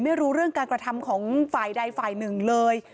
ไม่รู้เรื่องการกระทำของฝ่ายใดฝ่ายหนึ่งเลย